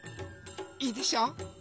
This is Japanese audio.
いいでしょう！